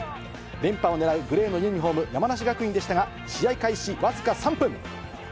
連覇を狙うグレーのユニホーム、山梨学院でしたが、試合開始僅か３分。